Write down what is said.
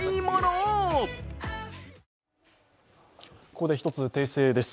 ここで１つ訂正です。